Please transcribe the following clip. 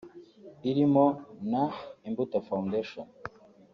irimo na “Imbuto Foundation”